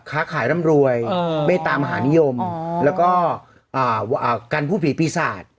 ค้าขายรำรวยเออไม่ตามหานิยมอ๋อแล้วก็อ่าอ่ากันผู้ผีปีศาจ